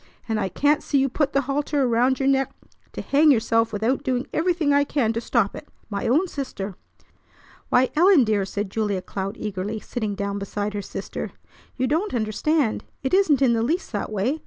I can't see you put the halter around your neck to hang yourself without doing everything I can to stop it. My own sister!" "Why, Ellen, dear!" said Julia Cloud eagerly, sitting down beside her sister. "You don't understand. It isn't in the least that way.